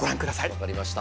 分かりました。